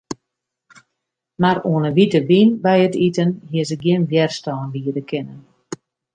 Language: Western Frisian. Mar oan 'e wite wyn by it iten hie se gjin wjerstân biede kinnen.